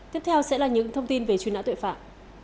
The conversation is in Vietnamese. tiếp theo sẽ là những thông tin về truy nã tội phạm